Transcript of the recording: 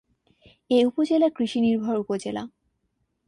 এ উপজেলা কৃষি নির্ভর উপজেলা।